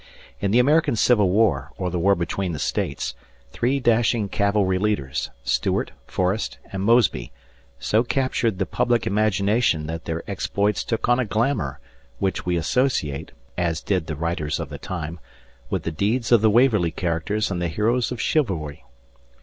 In the American Civil War, or the War Between the States, three dashing cavalry leaders Stuart, Forrest, and Mosby so captured the public imagination that their exploits took on a glamour, which we associate as did the writers of the time with the deeds of the Waverley characters and the heroes of Chivalry.